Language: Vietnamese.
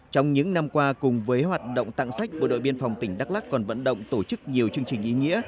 trong những năm qua cùng với hoạt động tặng sách bộ đội biên phòng tỉnh đắk lắc còn vận động tổ chức nhiều chương trình ý nghĩa